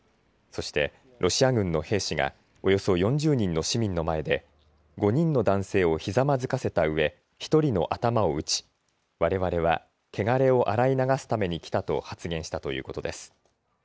そして、ロシア軍の兵士がおよそ４０人の市民の前で５人の男性をひざまずかせたうえ、１人の頭を撃ちわれわれは汚れを洗い流すために来たと発言したということです。